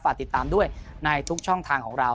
ติดตามด้วยในทุกช่องทางของเรา